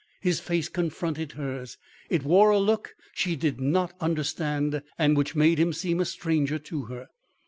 His face confronted hers. It wore a look she did not understand and which made him seem a stranger to her.